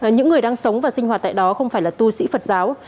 những người đang sống và sinh hoạt tại đó không phải là tu sĩ phật giáo